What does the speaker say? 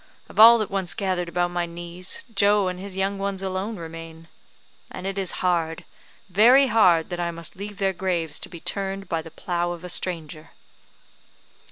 Of all that once gathered about my knees, Joe and his young ones alone remain. And it is hard, very hard, that I must leave their graves to be turned by the plough of a stranger."